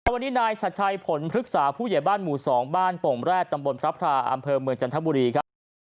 วันนี้นายชัดชัยผลพฤกษาผู้ใหญ่บ้านหมู่๒บ้านโป่งแร็ดตำบลพระพราอำเภอเมืองจันทบุรีครับ